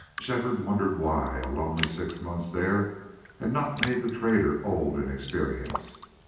Shefford wondered why a lonely six months there had not made the trader old in experience.